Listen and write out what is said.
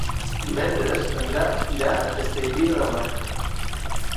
Divendres en Drac irà a Castellví de la Marca.